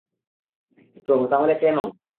তো তাহলে কেন?